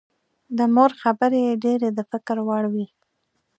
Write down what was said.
د مور خبرې یې ډېرې د فکر وړ وې